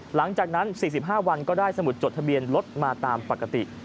หลังจากนั้น๔๕วันก็ได้สมุดจดทะเบียนรถมาตามปกติ